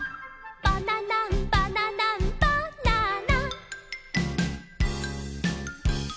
「バナナンバナナンバナナ」